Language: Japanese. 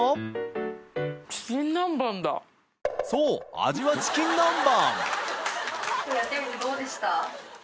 味はチキン南蛮！